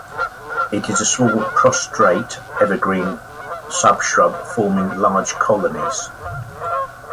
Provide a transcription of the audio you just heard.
It is a small prostrate evergreen subshrub forming large colonies.